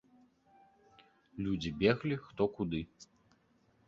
Людзі беглі хто куды.